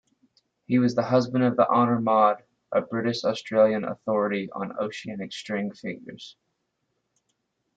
He was the husband of Honor Maude, a British-Australian authority on Oceanic string figures.